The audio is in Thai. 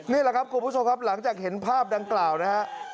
นี่แหละครับคุณผู้ชมครับหลังจากเห็นภาพดังกล่าวนะฮะ